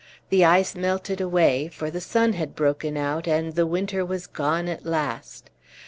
The ice melted away, for the sun had broken out, and the winter was gone at last.